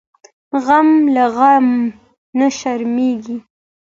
غم له غمه نه شرمیږي .